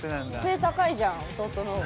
背高いじゃん弟の方が。